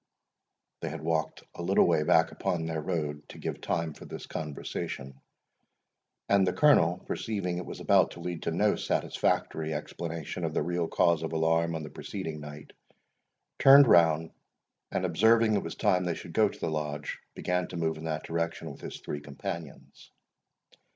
They had walked a little way back upon their road, to give time for this conversation; and the Colonel, perceiving it was about to lead to no satisfactory explanation of the real cause of alarm on the preceding night, turned round, and observing it was time they should go to the Lodge, began to move in that direction with his three companions.